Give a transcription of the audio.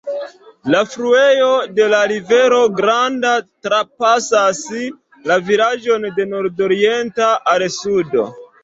La fluejo de la Rivero Granda trapasas la vilaĝon de nordoriente al sudo.